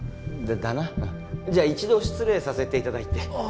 だっだなじゃ一度失礼させていただいてああ